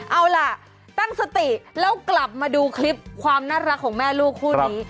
เอาล่ะตั้งสติแล้วกลับมาดูคลิปความน่ารักของแม่ลูกคู่นี้